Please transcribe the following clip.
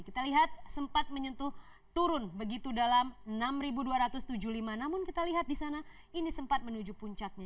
kita lihat sempat menyentuh turun begitu dalam enam dua ratus tujuh puluh lima namun kita lihat di sana ini sempat menuju puncaknya